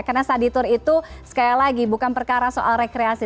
karena sadi tour itu sekali lagi bukan perkara soal rekreasi